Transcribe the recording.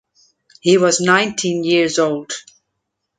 He was nineteen years old.